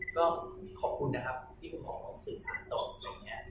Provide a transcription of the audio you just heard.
ก็ขอบคุณนะครับที่คุณหมอสื่อสารต่อตรงนี้